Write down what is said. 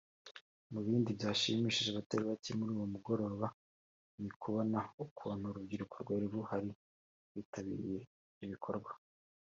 Mu bindi byashimishije abatari bacye muri uwo mugoroba ni ukubona ukuntu urubyiruko rwari ruhari rwitabiriye ibyo bikorwa